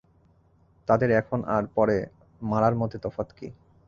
তাদের এখন আর পরে মারার মধ্যে তফাৎ কী?